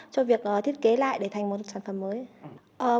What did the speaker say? cho việc thiết kế lại để thành một sản phẩm mới